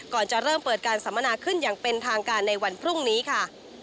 ก่อนจะเริ่มเปิดการสัมมนาขึ้นอย่างเป็นทางการในวันพรุ่งนี้ค่ะ